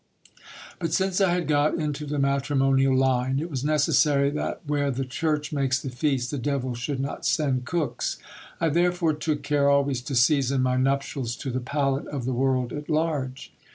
But since I had got into the matrimonial line, it was necessary that where the church makes the feast, the devil should not send cooks ; I therefore took care always to season my nuptials to the palate of the world at large.